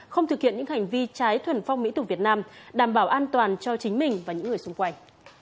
không thực hiện những hành vi trái thuần phong mỹ tục việt nam đảm bảo an toàn cho chính mình và những người xung quanh